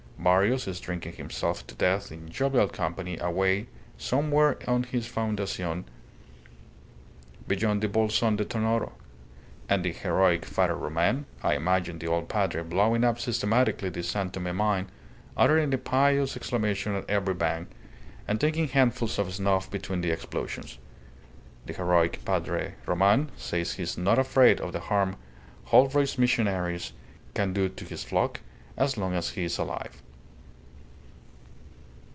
Barrios is drinking himself to death in jovial company away somewhere on his fundacion beyond the Bolson de Tonoro. And the heroic Father Roman I imagine the old padre blowing up systematically the San Tome mine, uttering a pious exclamation at every bang, and taking handfuls of snuff between the explosions the heroic Padre Roman says that he is not afraid of the harm Holroyd's missionaries can do to his flock, as long as he is alive."